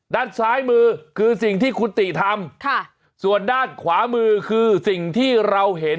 ด้านซ้ายมือคือสิ่งที่คุณติทำค่ะส่วนด้านขวามือคือสิ่งที่เราเห็น